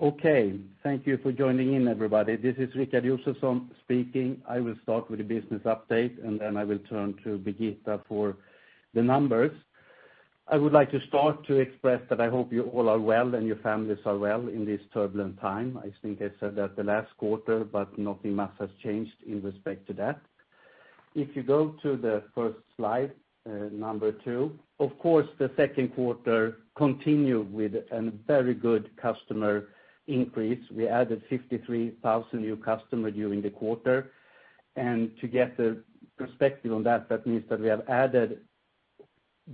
Okay. Thank you for joining in, everybody. This is Rikard Josefson speaking. I will start with the business update. Then I will turn to Birgitta for the numbers. I would like to start to express that I hope you all are well and your families are well in this turbulent time. I think I said that the last quarter. Nothing much has changed in respect to that. If you go to the first slide, number 2, of course, the second quarter continued with a very good customer increase. We added 53,000 new customers during the quarter. To get a perspective on that means that we have added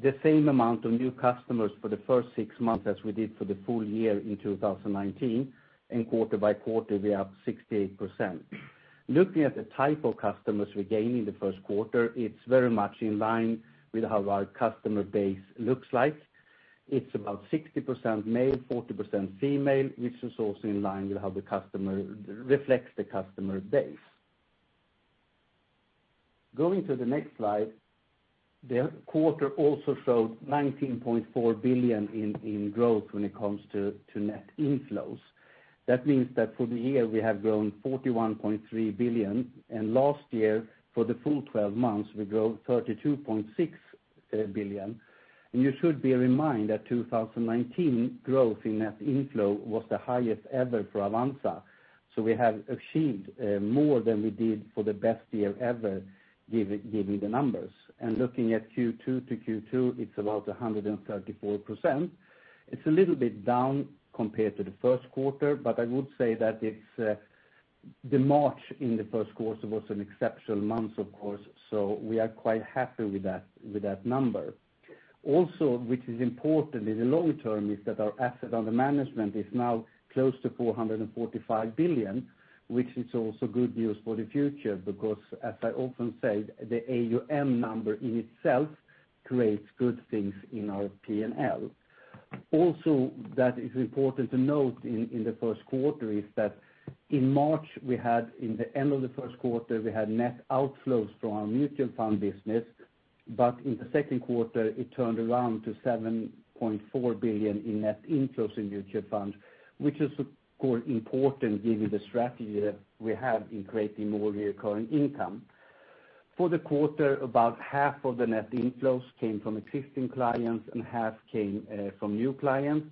the same amount of new customers for the first six months as we did for the full year in 2019. Quarter by quarter, we are up 68%. Looking at the type of customers we gained in the first quarter, it's very much in line with how our customer base looks like. It's about 60% male, 40% female, which is also in line with how reflects the customer base. Going to the next slide. The quarter also showed 19.4 billion in growth when it comes to net inflows. That means that for the year, we have grown 41.3 billion, and last year, for the full 12 months, we grew 32.6 billion. You should be reminded that 2019 growth in net inflow was the highest ever for Avanza. We have achieved more than we did for the best year ever, given the numbers. Looking at Q2 to Q2, it's about 134%. It's a little bit down compared to the first quarter, but I would say that the March in the first quarter was an exceptional month, of course, so we are quite happy with that number. Also, which is important in the long term, is that our asset under management is now close to 445 billion, which is also good news for the future because as I often say, the AUM number in itself creates good things in our P&L. Also that is important to note in the first quarter is that in March, in the end of the first quarter, we had net outflows from our mutual fund business. In the second quarter it turned around to 7.4 billion in net inflows in mutual funds, which is of course important given the strategy that we have in creating more recurring income. For the quarter, about half of the net inflows came from existing clients and half came from new clients.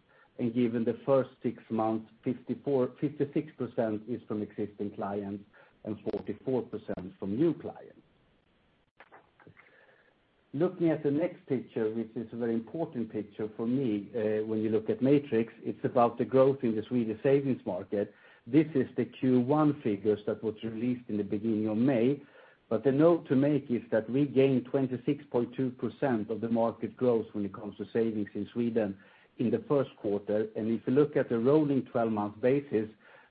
Given the first six months, 56% is from existing clients and 44% from new clients. Looking at the next picture, which is a very important picture for me when you look at metrics, it's about the growth in the Swedish savings market. This is the Q1 figures that was released in the beginning of May. The note to make is that we gained 26.2% of the market growth when it comes to savings in Sweden in the first quarter. If you look at the rolling 12-month basis,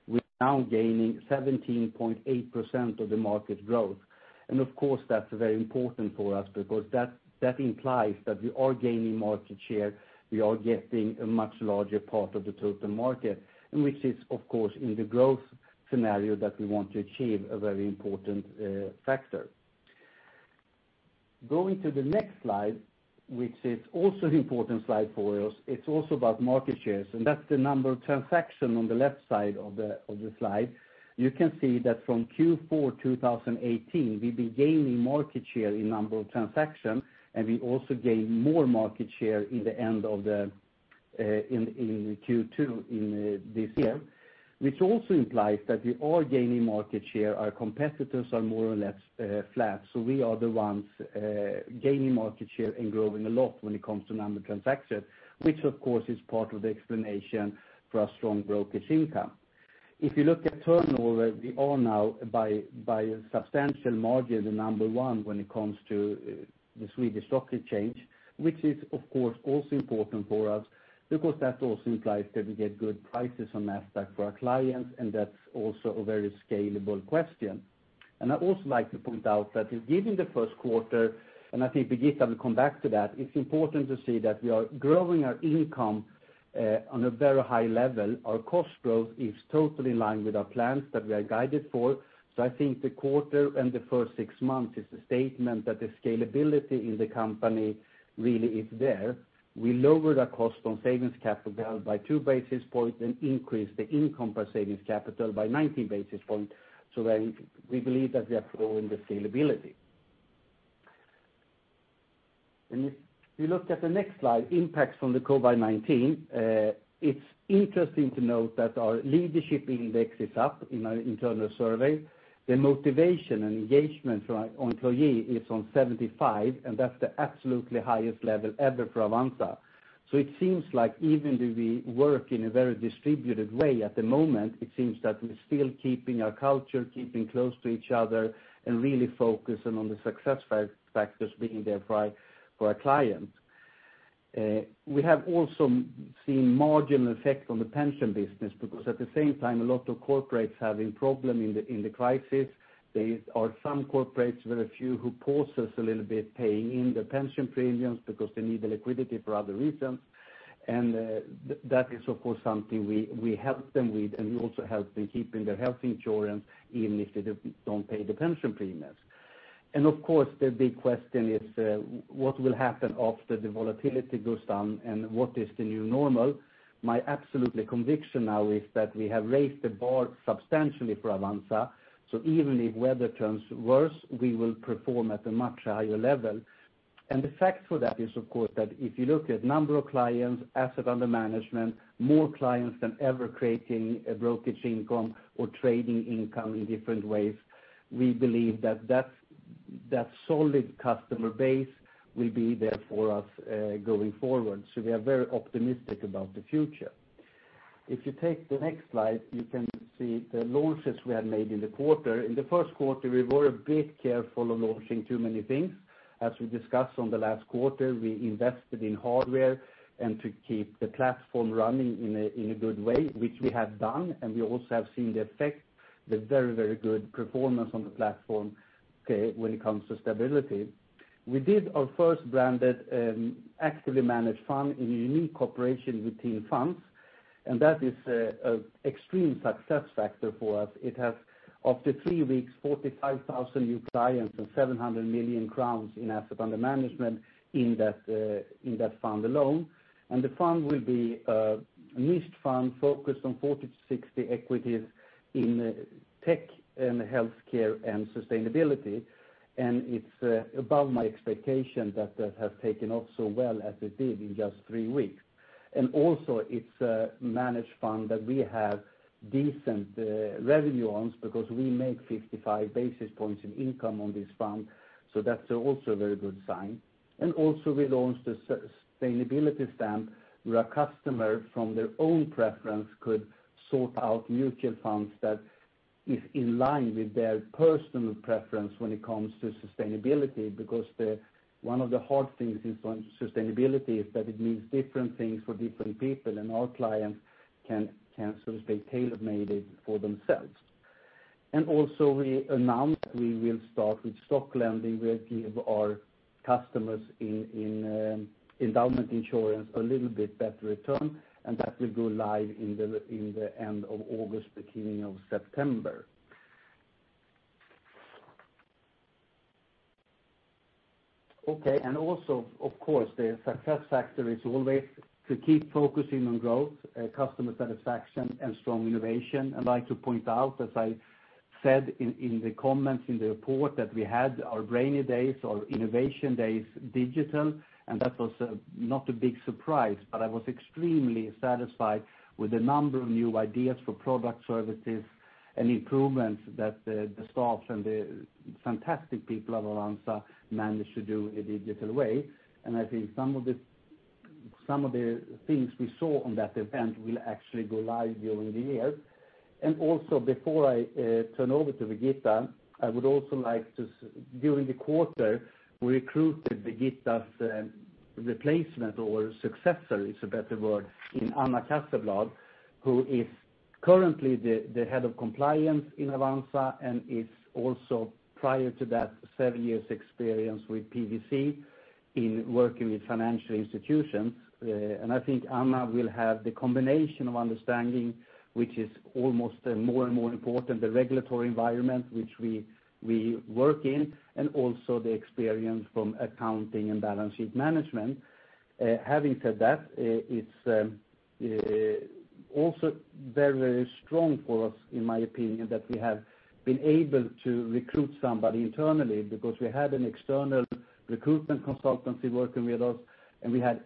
we're now gaining 17.8% of the market growth. Of course, that's very important for us because that implies that we are gaining market share, we are getting a much larger part of the total market, and which is, of course, in the growth scenario that we want to achieve a very important factor. Going to the next slide, which is also important slide for us, it's also about market shares, and that's the number of transactions on the left side of the slide. You can see that from Q4 2018, we've been gaining market share in number of transactions, and we also gained more market share in Q2 this year. Which also implies that we are gaining market share. Our competitors are more or less flat. We are the ones gaining market share and growing a lot when it comes to number of transactions, which of course is part of the explanation for our strong brokerage income. If you look at turnover, we are now by a substantial margin the number 1 when it comes to the Swedish stock exchange, which is of course also important for us because that also implies that we get good prices on that side for our clients and that's also a very scalable question. I'd also like to point out that given the first quarter, and I think Birgitta will come back to that, it's important to see that we are growing our income on a very high level. Our cost growth is totally in line with our plans that we are guided for. I think the quarter and the first six months is a statement that the scalability in the company really is there. We lowered our cost on savings capital by two basis points and increased the income per savings capital by 19 basis points. We believe that we are growing the scalability. If you look at the next slide, impacts from the COVID-19, it's interesting to note that our leadership index is up in our internal survey. The motivation and engagement for our employee is on 75, and that's the absolutely highest level ever for Avanza. It seems like even though we work in a very distributed way at the moment, it seems that we're still keeping our culture, keeping close to each other and really focusing on the success factors being there for our clients. We have also seen marginal effect on the pension business because at the same time, a lot of corporates are having problem in the crisis. There are some corporates, very few who pause us a little bit paying in the pension premiums because they need the liquidity for other reasons. That is, of course, something we help them with, and we also help them keeping their health insurance even if they don't pay the pension premiums. Of course, the big question is what will happen after the volatility goes down and what is the new normal? My absolute conviction now is that we have raised the bar substantially for Avanza. Even if weather turns worse, we will perform at a much higher level. The fact for that is, of course, that if you look at number of clients, asset under management, more clients than ever creating a brokerage income or trading income in different ways, we believe that solid customer base will be there for us going forward. We are very optimistic about the future. If you take the next slide, you can see the launches we have made in the quarter. In the first quarter, we were a bit careful on launching too many things. As we discussed on the last quarter, we invested in hardware and to keep the platform running in a good way, which we have done. We also have seen the effect, the very good performance on the platform, when it comes to stability. We did our first branded actively managed fund in unique cooperation with TIN Fonder, that is extreme success factor for us. It has, after three weeks, 45,000 new clients and 700 million crowns in asset under management in that fund alone. The fund will be a niche fund focused on 40 to 60 equities in tech and healthcare and sustainability. It's above my expectation that has taken off so well as it did in just three weeks. Also it's a managed fund that we have decent revenue on because we make 55 basis points in income on this fund. That's also a very good sign. Also we launched a sustainability stamp where a customer from their own preference could sort out mutual funds that is in line with their personal preference when it comes to sustainability. One of the hard things is on sustainability is that it means different things for different people, and our clients can sort of stay tailor-made it for themselves. Also we announced we will start with stock lending. We'll give our customers in endowment insurance a little bit better return, and that will go live in the end of August, beginning of September. Okay, also, of course, the success factor is always to keep focusing on growth, customer satisfaction and strong innovation. I'd like to point out, as I said in the comments in the report, that we had our brainy days, our innovation days digital, and that was not a big surprise. I was extremely satisfied with the number of new ideas for product services and improvements that the staff and the fantastic people at Avanza managed to do a digital way. I think some of the things we saw on that event will actually go live during the year. Also before I turn over to Birgitta, during the quarter, we recruited Birgitta's replacement or successor, is a better word, in Anna Casselblad, who is currently the head of compliance in Avanza and is also prior to that seven years experience with PwC in working with financial institutions. I think Anna will have the combination of understanding, which is almost more and more important, the regulatory environment which we work in, and also the experience from accounting and balance sheet management. Having said that, it's also very strong for us, in my opinion, that we have been able to recruit somebody internally because we had an external recruitment consultancy working with us, and we had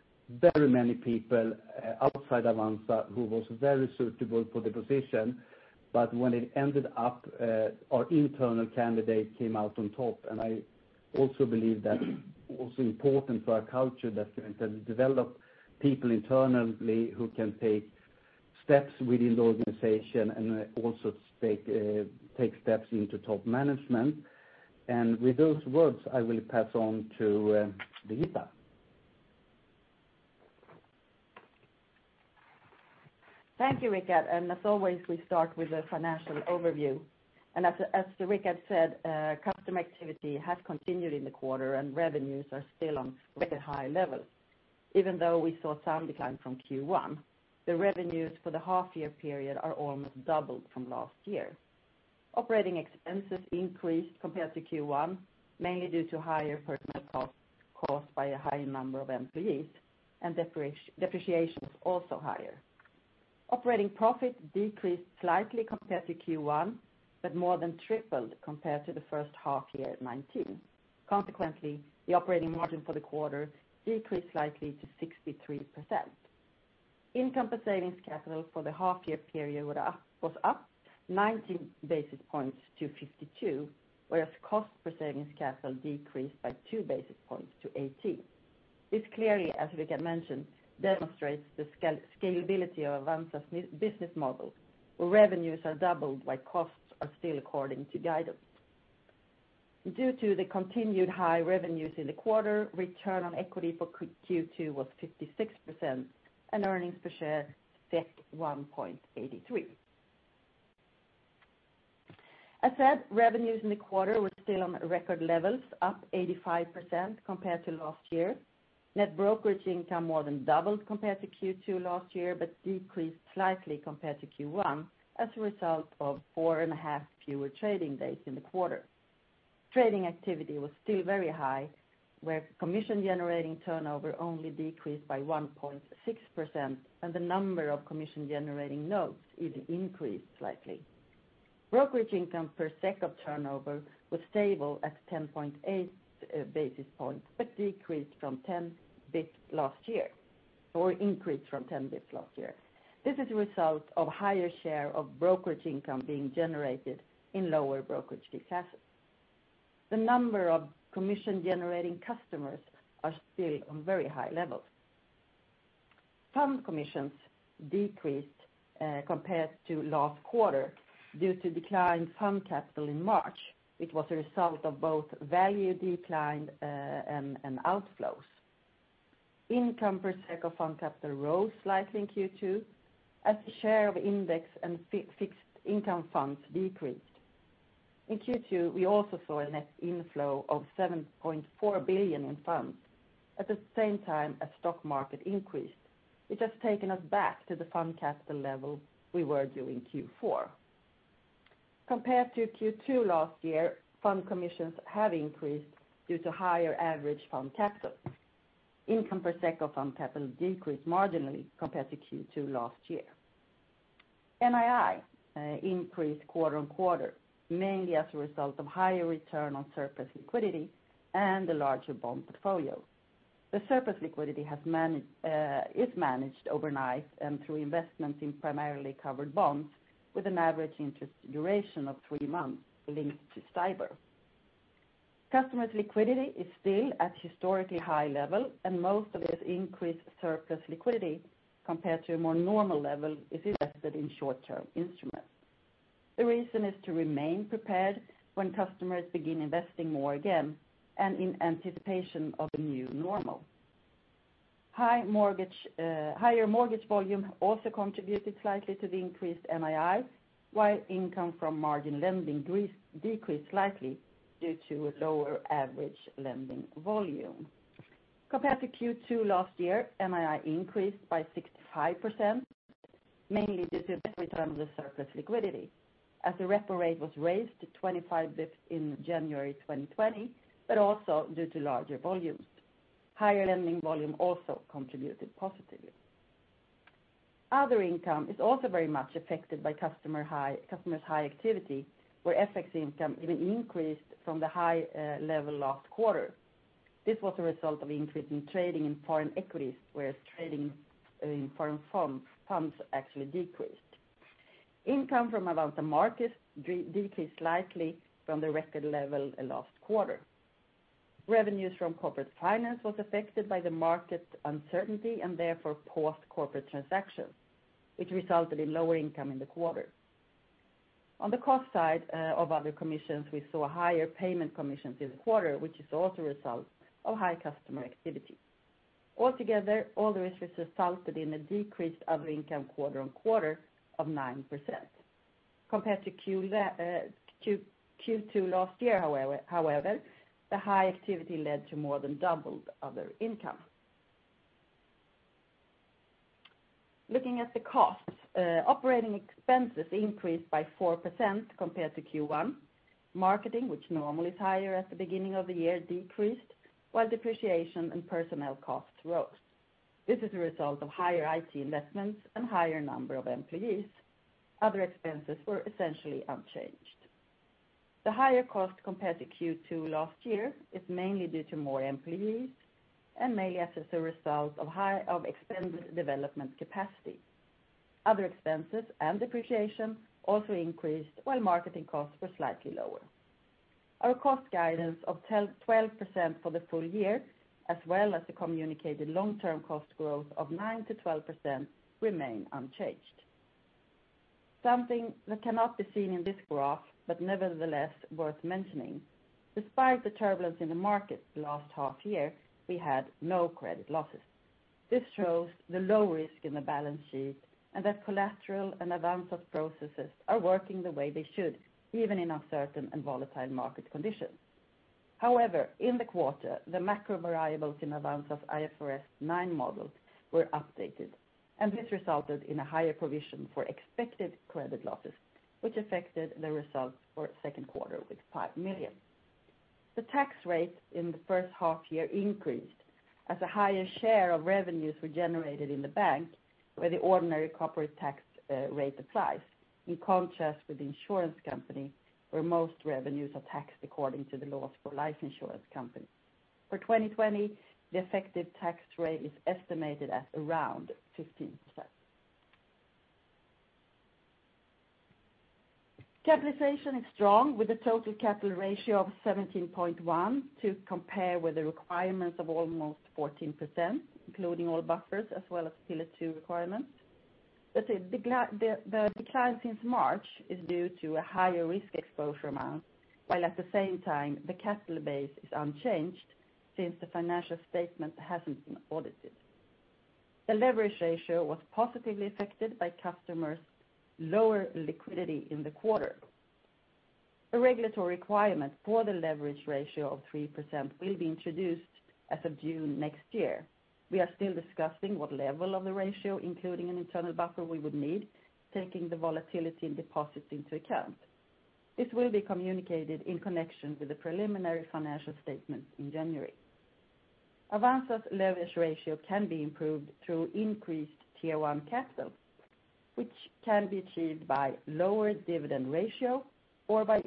very many people outside Avanza who was very suitable for the position. When it ended up our internal candidate came out on top. I also believe that also important for our culture that we can develop people internally who can take steps within the organization and also take steps into top management. With those words, I will pass on to Birgitta. Thank you, Rikard. As always, we start with the financial overview. As Rikard said customer activity has continued in the quarter and revenues are still on very high levels. Even though we saw some decline from Q1, the revenues for the half-year period are almost doubled from last year. Operating expenses increased compared to Q1, mainly due to higher personnel costs caused by a higher number of employees and depreciation is also higher. Operating profit decreased slightly compared to Q1, but more than tripled compared to the first half-year 2019. Consequently, the operating margin for the quarter decreased slightly to 63%. Income per savings capital for the half-year period was up 19 basis points to 52, whereas cost per savings capital decreased by two basis points to 18. This clearly, as Rikard mentioned, demonstrates the scalability of Avanza's business model, where revenues are doubled while costs are still according to guidance. Due to the continued high revenues in the quarter, return on equity for Q2 was 56% and earnings per share set 1.83. As said, revenues in the quarter were still on record levels, up 85% compared to last year. Net brokerage income more than doubled compared to Q2 last year, but decreased slightly compared to Q1 as a result of four and a half fewer trading days in the quarter. Trading activity was still very high, where commission-generating turnover only decreased by 1.6%, and the number of commission-generating notes is increased slightly. Brokerage income per SEK of turnover was stable at 10.8 basis points, but increased from 10 basis points last year. This is a result of higher share of brokerage income being generated in lower brokerage classes. The number of commission-generating customers are still on very high levels. Fund commissions decreased compared to last quarter due to decline fund capital in March, which was a result of both value decline and outflows. Income per SEK of fund capital rose slightly in Q2 as the share of index and fixed income funds decreased. In Q2, we also saw a net inflow of 7.4 billion in funds at the same time as stock market increased, which has taken us back to the fund capital level we were during Q4. Compared to Q2 last year, fund commissions have increased due to higher average fund capital. Income per SEK of fund capital decreased marginally compared to Q2 last year. NII increased quarter-on-quarter, mainly as a result of higher return on surplus liquidity and the larger bond portfolio. The surplus liquidity is managed overnight and through investments in primarily covered bonds with an average interest duration of three months linked to STIBOR. Customers' liquidity is still at historically high level, and most of this increased surplus liquidity compared to a more normal level is invested in short-term instruments. The reason is to remain prepared when customers begin investing more again and in anticipation of a new normal. Higher mortgage volume also contributed slightly to the increased NII, while income from margin lending decreased slightly due to a lower average lending volume. Compared to Q2 last year, NII increased by 65%, mainly due to the return of the surplus liquidity as the repo rate was raised to 25 basis points in January 2020, but also due to larger volumes. Higher lending volume also contributed positively. Other income is also very much affected by customers' high activity, where FX income even increased from the high level last quarter. This was a result of increase in trading in foreign equities, whereas trading in foreign funds actually decreased. Income from Avanza Markets decreased slightly from the record level last quarter. Revenues from corporate finance was affected by the market uncertainty and therefore paused corporate transactions, which resulted in lower income in the quarter. On the cost side of other commissions, we saw higher payment commissions this quarter, which is also a result of high customer activity. Altogether, all the risks resulted in a decreased other income quarter-on-quarter of 9%. Compared to Q2 last year, however, the high activity led to more than doubled other income. Looking at the costs, operating expenses increased by 4% compared to Q1. Marketing, which normally is higher at the beginning of the year, decreased while depreciation and personnel costs rose. This is a result of higher IT investments and higher number of employees. Other expenses were essentially unchanged. The higher cost compared to Q2 last year is mainly due to more employees and mainly as a result of expanded development capacity. Other expenses and depreciation also increased while marketing costs were slightly lower. Our cost guidance of 12% for the full year, as well as the communicated long-term cost growth of 9%-12%, remain unchanged. Something that cannot be seen in this graph, but nevertheless worth mentioning, despite the turbulence in the market the last half year, we had no credit losses. This shows the low risk in the balance sheet and that collateral and advance of processes are working the way they should, even in uncertain and volatile market conditions. However, in the quarter, the macro variables in Avanza's IFRS 9 model were updated, this resulted in a higher provision for expected credit losses, which affected the results for second quarter with 5 million. The tax rate in the first half year increased as a higher share of revenues were generated in the bank where the ordinary corporate tax rate applies, in contrast with the insurance company where most revenues are taxed according to the laws for life insurance companies. For 2020, the effective tax rate is estimated at around 15%. Capitalization is strong with a total capital ratio of 17.1% to compare with the requirements of almost 14%, including all buffers as well as Pillar 2 requirements. The decline since March is due to a higher risk exposure amount, while at the same time the capital base is unchanged since the financial statement hasn't been audited. The leverage ratio was positively affected by customers' lower liquidity in the quarter. A regulatory requirement for the leverage ratio of 3% will be introduced as of June next year. We are still discussing what level of the ratio, including an internal buffer we would need, taking the volatility in deposits into account. This will be communicated in connection with the preliminary financial statement in January. Avanza's leverage ratio can be improved through increased Tier 1 capital, which can be achieved by lower dividend ratio or by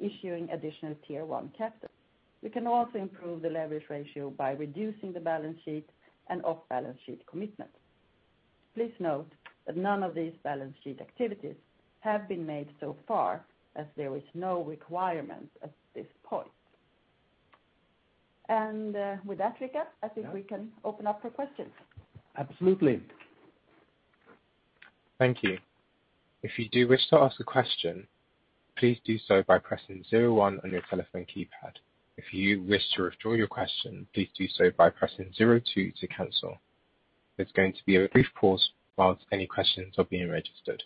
issuing additional Tier 1 capital. We can also improve the leverage ratio by reducing the balance sheet and off-balance sheet commitment. Please note that none of these balance sheet activities have been made so far as there is no requirement at this point. With that, Rikard, I think we can open up for questions. Absolutely. Thank you. If you do wish to ask a question, please do so by pressing zero one on your telephone keypad. If you wish to withdraw your question, please do so by pressing zero two to cancel. There's going to be a brief pause while any questions are being registered.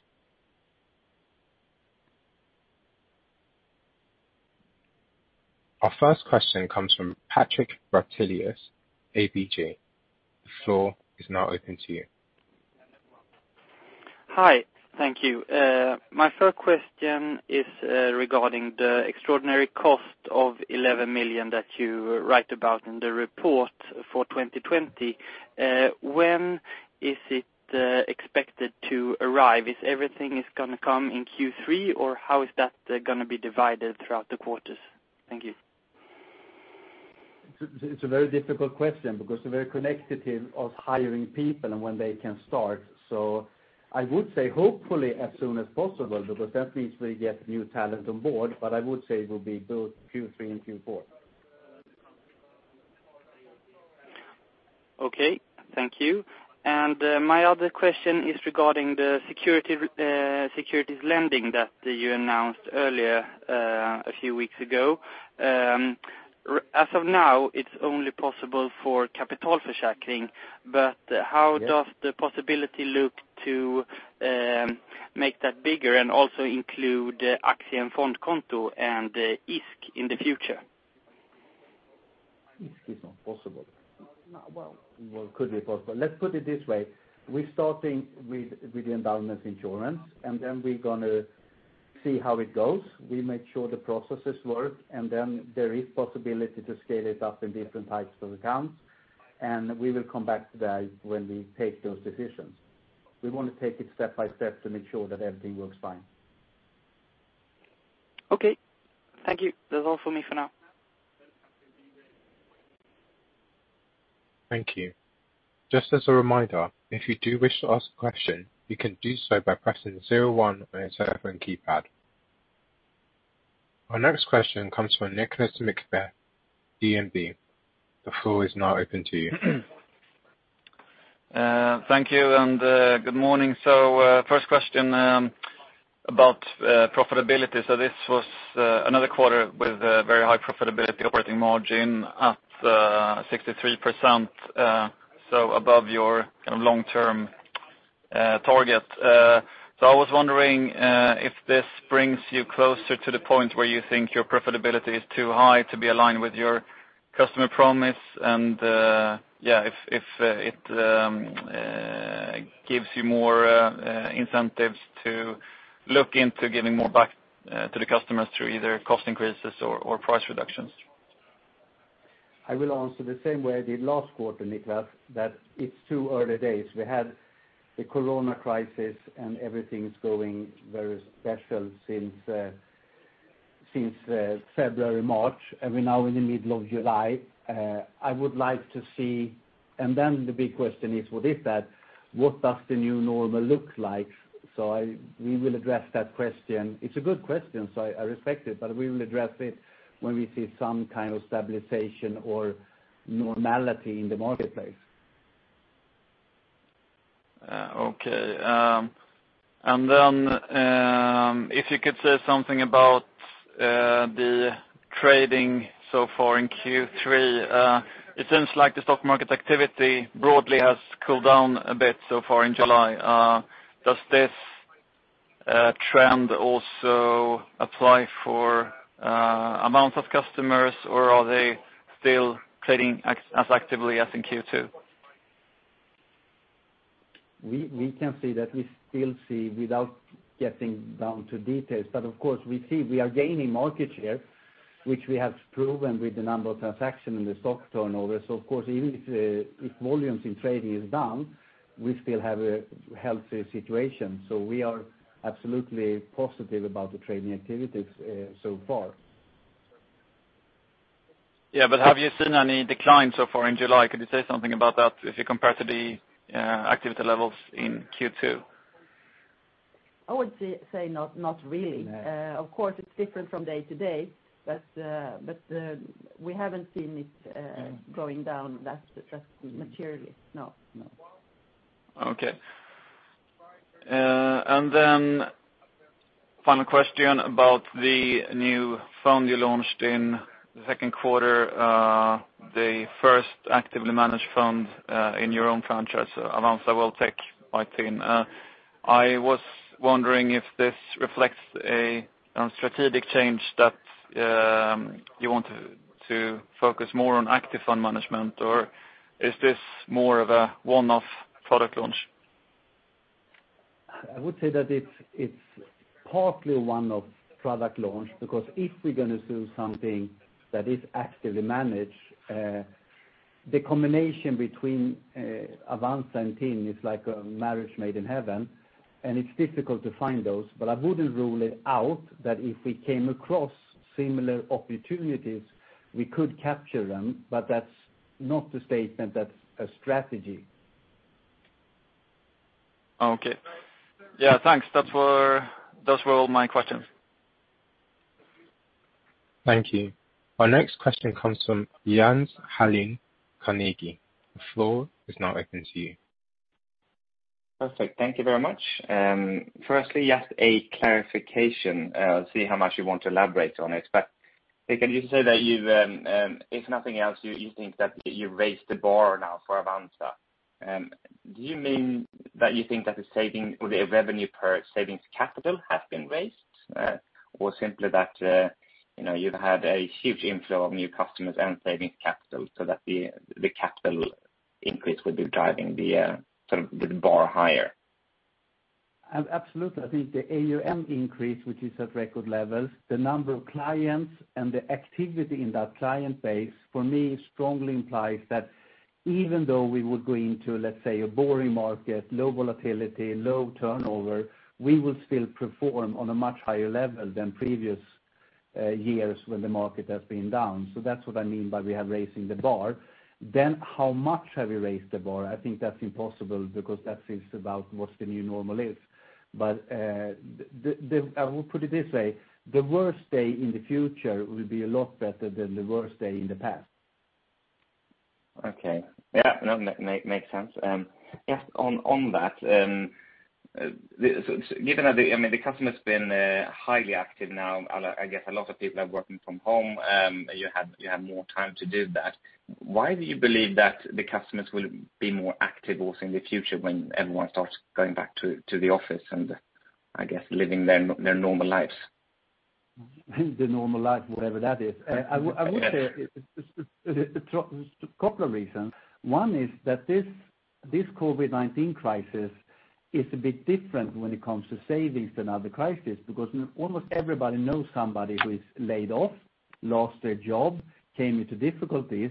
Our first question comes from Patrik Brattelius, ABG. The floor is now open to you. Hi. Thank you. My first question is regarding the extraordinary cost of 11 million that you write about in the report for 2020. When is it expected to arrive? Is everything going to come in Q3, or how is that going to be divided throughout the quarters? Thank you. It's a very difficult question because they're connected in of hiring people and when they can start. I would say hopefully as soon as possible, because that means we get new talent on board, but I would say it will be both Q3 and Q4. Okay, thank you. My other question is regarding the securities lending that you announced earlier, a few weeks ago. As of now, it's only possible for kapitalförsäkring. How does the possibility look to make that bigger and also include aktie- och fondkonto and ISK in the future? ISK is not possible. Well Could be possible. Let's put it this way. We're starting with the endowment insurance, and then we're going to see how it goes. We make sure the processes work, and then there is possibility to scale it up in different types of accounts, and we will come back to that when we take those decisions. We want to take it step by step to make sure that everything works fine. Okay. Thank you. That's all for me for now. Thank you. Just as a reminder, if you do wish to ask a question, you can do so by pressing zero one on your telephone keypad. Our next question comes from Nicolas McBeath, DNB. The floor is now open to you. Thank you, and good morning. First question about profitability. This was another quarter with a very high profitability operating margin at 63%, so above your long-term target. I was wondering if this brings you closer to the point where you think your profitability is too high to be aligned with your customer promise and if it gives you more incentives to look into giving more back to the customers through either cost increases or price reductions? I will answer the same way I did last quarter, Nicolas, that it's too early days. We had the corona crisis, and everything is going very special since February, March, and we're now in the middle of July. The big question is what does the new normal look like? We will address that question. It's a good question, so I respect it, but we will address it when we see some kind of stabilization or normality in the marketplace. Okay. If you could say something about the trading so far in Q3. It seems like the stock market activity broadly has cooled down a bit so far in July. Does this trend also apply for amount of customers, or are they still trading as actively as in Q2? We can say that we still see without getting down to details. Of course, we see we are gaining market share, which we have proven with the number of transactions in the stock turnover. Of course, even if volumes in trading is down, we still have a healthy situation. We are absolutely positive about the trading activities so far. Yeah, have you seen any decline so far in July? Could you say something about that if you compare to the activity levels in Q2? I would say not really. No. Of course, it's different from day to day, but we haven't seen it going down that materially. No. Okay. Final question about the new fund you launched in the second quarter, the first actively managed fund in your own franchise, Avanza World Tech by TIN. I was wondering if this reflects a strategic change that you want to focus more on active fund management, or is this more of a one-off product launch? I would say that it's partly a one-off product launch, because if we're going to do something that is actively managed, the combination between Avanza and TIN is like a marriage made in heaven, and it's difficult to find those. I wouldn't rule it out that if we came across similar opportunities, we could capture them. That's not the statement that's a strategy. Okay. Yeah, thanks. Those were all my questions. Thank you. Our next question comes from Jens Hallén, Carnegie. The floor is now open to you. Perfect. Thank you very much. Firstly, just a clarification. I'll see how much you want to elaborate on it. Can you say that if nothing else, you think that you raised the bar now for Avanza? Do you mean that you think that the revenue per savings capital has been raised? Simply that you've had a huge inflow of new customers and savings capital so that the capital increase will be driving the bar higher? Absolutely. I think the AUM increase, which is at record levels, the number of clients and the activity in that client base, for me, strongly implies that even though we would go into, let's say, a boring market, low volatility, low turnover, we would still perform on a much higher level than previous years when the market has been down. That's what I mean by we are raising the bar. How much have we raised the bar? I think that's impossible because that is about what the new normal is. I will put it this way, the worst day in the future will be a lot better than the worst day in the past. Okay. Yeah, no, makes sense. Just on that, given that the customer's been highly active now, I guess a lot of people are working from home, you have more time to do that. Why do you believe that the customers will be more active also in the future when everyone starts going back to the office and I guess living their normal lives? The normal life, whatever that is. I would say a couple of reasons. One is that this COVID-19 crisis is a bit different when it comes to savings than other crisis, because almost everybody knows somebody who is laid off, lost their job, came into difficulties.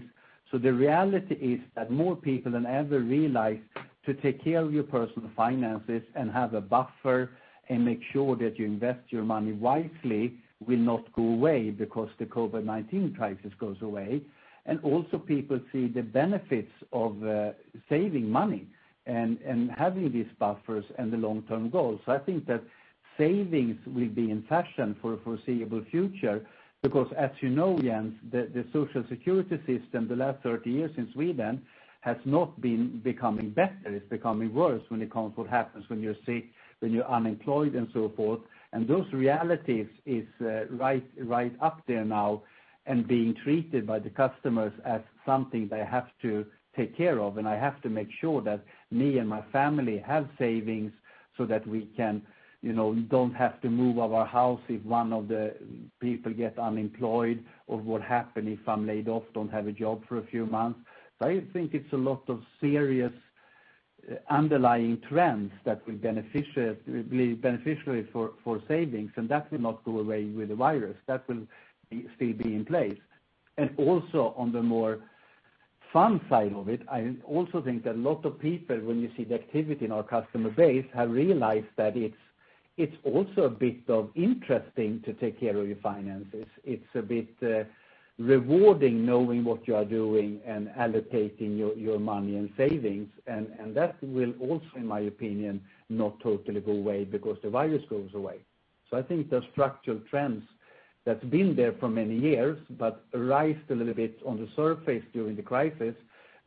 The reality is that more people than ever realize to take care of your personal finances and have a buffer and make sure that you invest your money wisely will not go away because the COVID-19 crisis goes away. Also people see the benefits of saving money and having these buffers and the long-term goals. I think that savings will be in fashion for the foreseeable future because as you know, Jens, the Social Security system the last 30 years in Sweden has not been becoming better. It's becoming worse when it comes what happens when you're sick, when you're unemployed and so forth. Those realities is right up there now and being treated by the customers as something they have to take care of. I have to make sure that me and my family have savings so that we don't have to move out of our house if one of the people gets unemployed or what happen if I'm laid off, don't have a job for a few months. I think it's a lot of serious underlying trends that will be beneficiary for savings, and that will not go away with the virus. That will still be in place. Also on the more fun side of it, I also think a lot of people, when you see the activity in our customer base, have realized that it's also a bit of interesting to take care of your finances. It's a bit rewarding knowing what you are doing and allocating your money and savings. That will also, in my opinion, not totally go away because the virus goes away. I think the structural trends that's been there for many years, but rised a little bit on the surface during the crisis,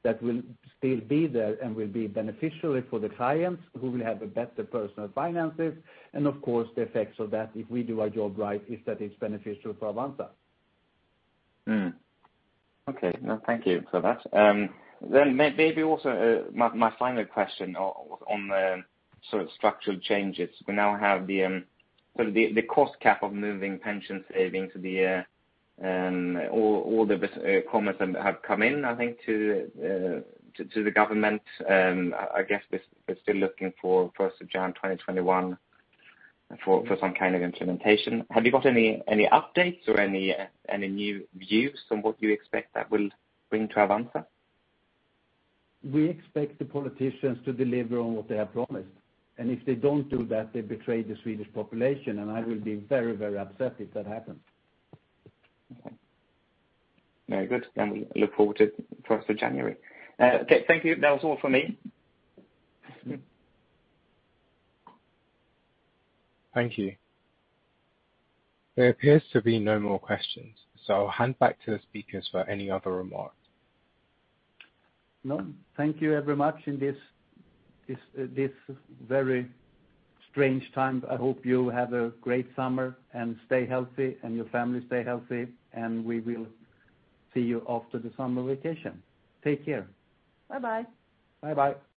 that will still be there and will be beneficiary for the clients who will have a better personal finances. Of course, the effects of that, if we do our job right, is that it's beneficial for Avanza. Okay. No, thank you for that. Maybe also my final question on the structural changes. We now have the cost cap of moving pension savings to the year. All the comments have come in, I think, to the government. I guess we're still looking for January 1, 2021 for some kind of implementation. Have you got any updates or any new views on what you expect that will bring to Avanza? We expect the politicians to deliver on what they have promised. If they don't do that, they betray the Swedish population, and I will be very upset if that happens. Okay. Very good. We look forward to 1st of January. Okay, thank you. That was all for me. Thank you. There appears to be no more questions, so I'll hand back to the speakers for any other remarks. No. Thank you very much in this very strange time. I hope you have a great summer and stay healthy, and your family stay healthy, and we will see you after the summer vacation. Take care. Bye-bye. Bye-bye.